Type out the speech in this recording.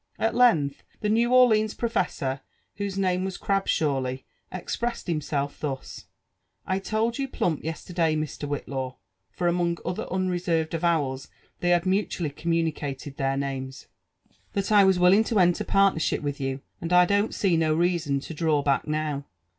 At length, the N^w Orleans professor, whose name was Grabshawly, expressed himself thus :*• I told you plump yesterday, Mr. Whltlaw,"^' (fer. among other unreserved avowals» they had mutually communicated their named,) •* that 1 was willing to enter partnership with you, and I don't see bo reason to draw back now.